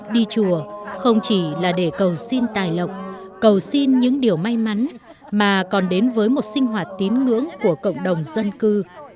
đi chùa không chỉ là để cầu xin tài lộc cầu xin những điều may mắn mà còn đến với một sinh hoạt tín ngưỡng của cộng đồng dân cư